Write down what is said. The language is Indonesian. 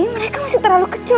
mereka masih terlalu kecil